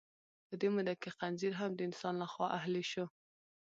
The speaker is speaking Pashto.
په دې موده کې خنزیر هم د انسان لخوا اهلي شو.